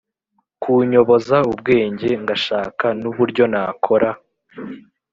Kunyoboza ubwenge ngashaka n uburyo nakora